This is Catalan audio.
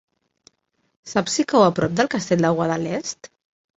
Saps si cau a prop del Castell de Guadalest?